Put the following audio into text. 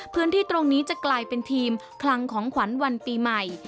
พื้นที่ตรงนี้จะกลายเป็นทีมคลังของขวัญวันปีใหม่